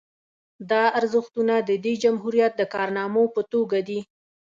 دا ارزښتونه د دې جمهوریت د کارنامو په توګه دي